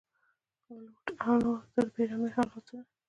لوډ او نور د بې ارامۍ حالتونه